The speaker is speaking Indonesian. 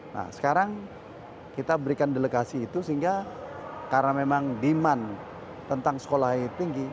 nah sekarang kita berikan delegasi itu sehingga karena memang demand tentang sekolah tinggi